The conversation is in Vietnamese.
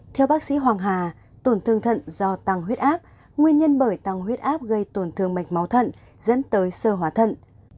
theo bác sĩ hoàng hà tổn thương thận do tăng huyết áp nguyên nhân bởi tăng huyết áp gây tổn thương mạch máu thận dẫn tới sơ hóa thận